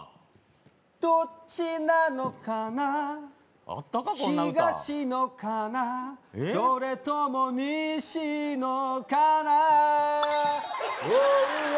どっちなのかな、東のかな、それとも西のかな。